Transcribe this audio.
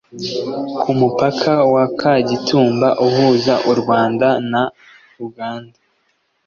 Ku mupaka wa Kagitumba uhuza u Rwanda na Uganda